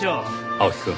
青木くん。